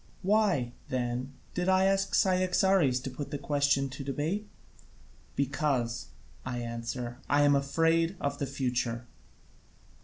Why, then, did I ask Cyaxares to put the question to debate? Because, I answer, I am afraid of the future.